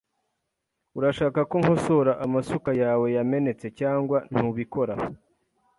Urashaka ko nkosora amasuka yawe yamenetse cyangwa ntubikora?